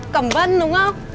cẩm vân đúng không